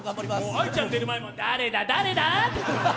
愛ちゃん出る前も「誰だ、誰だ？」